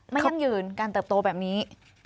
ยั่งยืนการเติบโตแบบนี้